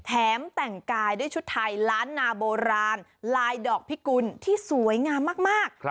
แต่งกายด้วยชุดไทยล้านนาโบราณลายดอกพิกุลที่สวยงามมาก